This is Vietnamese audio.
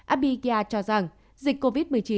abiga cho rằng dịch covid một mươi chín